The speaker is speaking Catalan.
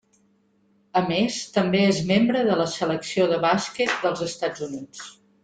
A més, també és membre de la Selecció de bàsquet dels Estats Units.